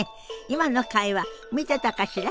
今の会話見てたかしら？